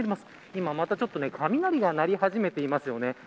今また雷が鳴り始めていますよね。